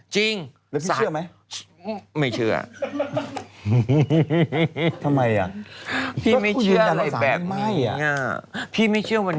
จริงสารชุดไม่เชื่อ